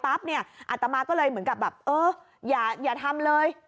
อาตมาก็เลยเหมือนกับอย่าทำเลย